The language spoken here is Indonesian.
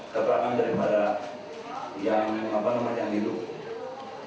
keterangan daripada yang hidup